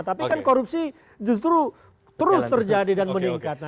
tapi kan korupsi justru terus terjadi dan meningkat